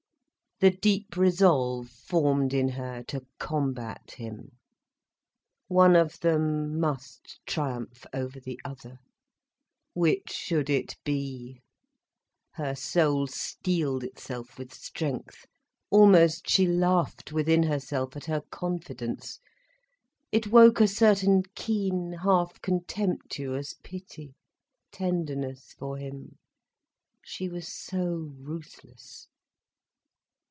The deep resolve formed in her, to combat him. One of them must triumph over the other. Which should it be? Her soul steeled itself with strength. Almost she laughed within herself, at her confidence. It woke a certain keen, half contemptuous pity, tenderness for him: she was so ruthless.